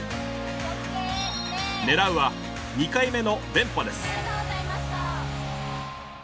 狙うは２回目の連覇です。